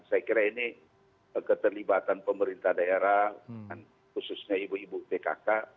dan saya kira ini keterlibatan pemerintah daerah khususnya ibu ibu tkk